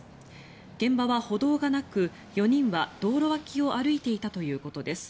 現場は歩道がなく４人は道路脇を歩いていたということです。